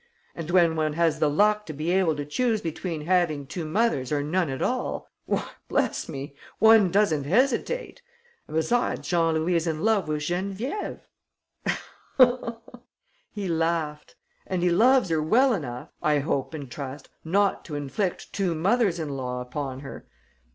And when one has the luck to be able to choose between having two mothers or none at all, why, bless me, one doesn't hesitate! And, besides, Jean Louis is in love with Geneviève." He laughed. "And he loves her well enough, I hope and trust, not to inflict two mothers in law upon her!